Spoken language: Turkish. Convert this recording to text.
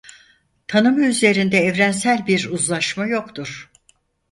Tanımı üzerinde evrensel bir uzlaşma yoktur.